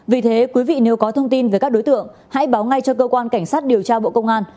vì thế quý vị nếu có thông tin về các đối tượng hãy báo ngay cho cơ quan cảnh sát điều tra bộ công an